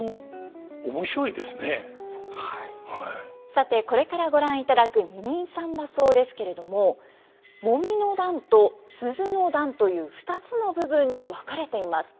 さてこれからご覧いただく「二人三番叟」ですけれども「揉の段」と「鈴の段」という２つの部分に分かれています。